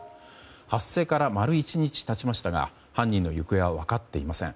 発生から丸１日経ちましたが犯人の行方は分かっていません。